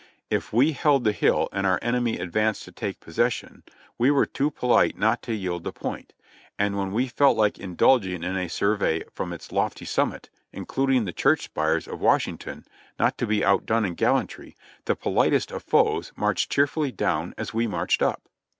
If we held the hill and our enemy advanced to take possession, we were too poHte not to yield the point ; and when we felt like indulging in a sur vey from its lofty summit, including the church spires of Wash ington, not to be outdone in gallantry, the politest of foes marched cheerfully down as we marched up.